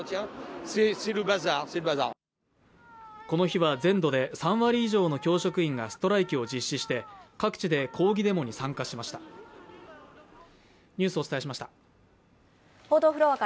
この日は全土で３割以上の教職員がストライキを実施して各地で抗議デモに参加しました。